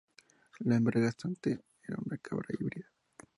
La hembra gestante era una cabra híbrida.